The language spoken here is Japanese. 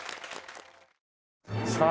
さあ